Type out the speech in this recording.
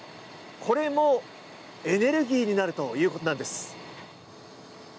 これもエネルギーになるということなんです。